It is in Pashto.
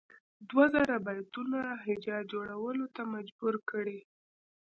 دوه زره بیتونو هجا جوړولو ته مجبور کړي.